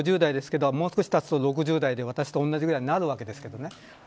今、５０代ですけど、もう少し６０代で私と同じぐらいになるわけです。